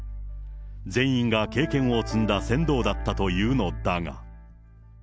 全員が経験を積んだ船頭だったというのだが。